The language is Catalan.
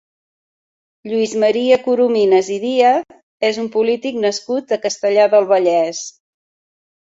Lluís Maria Corominas i Díaz és un polític nascut a Castellar del Vallès.